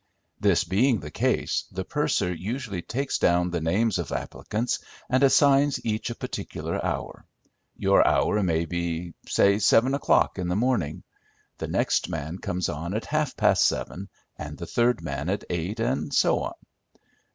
This being the case, the purser usually takes down the names of applicants and assigns each a particular hour. Your hour may be, say seven o'clock in the morning. The next man comes on at half past seven, and the third man at eight, and so on.